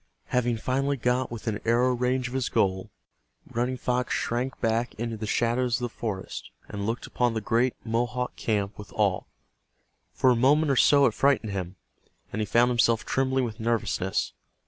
Having finally got within arrow range of his goal, Running Fox shrank back into the shadows of the forest, and looked upon the great Mohawk camp with awe. For a moment or so it frightened him, and he found himself trembling with nervousness.